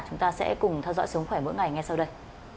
chúng ta sẽ cùng theo dõi sống khỏe mỗi ngày ngay sau đây